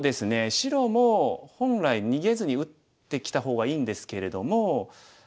白も本来逃げずに打ってきた方がいいんですけれども。